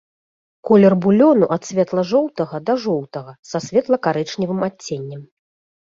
Колер булёну ад светла-жоўтага да жоўтага са светла-карычневым адценнем.